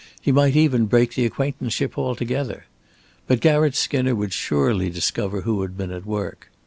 He might even break the acquaintanceship altogether. But Garratt Skinner would surely discover who had been at work.